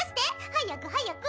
早く早く。